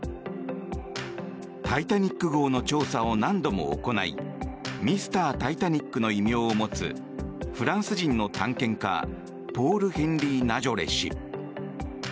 「タイタニック号」の調査を何度も行いミスター・タイタニックの異名を持つフランス人の探検家ポール・ヘンリー・ナジョレ氏。